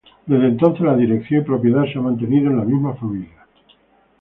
Desde entonces la dirección y propiedad se ha mantenido en la misma familia.